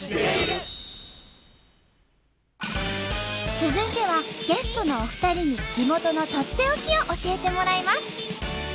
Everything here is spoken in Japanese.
続いてはゲストのお二人に地元のとっておきを教えてもらいます。